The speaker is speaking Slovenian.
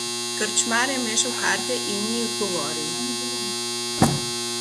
Krčmar je mešal karte in ni odgovoril.